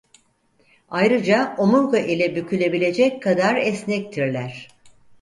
Ayrıca omurga ile bükülebilecek kadar esnektirler.